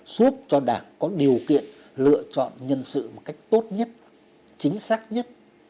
giúp cho đảng có điều kiện lựa chọn nhân sự một cách tốt nhất chính xác nhất